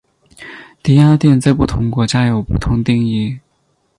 低压电在不同国家有不同定义。